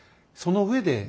その上で。